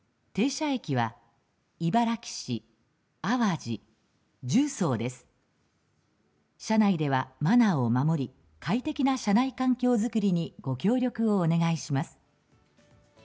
車内ではマナーを守り快適な車内環境作りにご協力をお願いします。